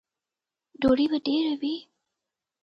_ډوډۍ به ډېره وي؟